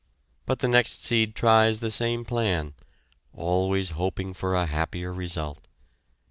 But the next seed tries the same plan always hoping for a happier result.